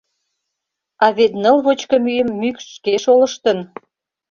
А вет ныл вочко мӱйым мӱкш шке шолыштын!..